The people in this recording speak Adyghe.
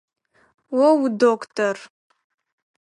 О удоктор?